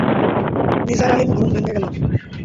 নিসার আলির ঘুম ভেঙে গেল।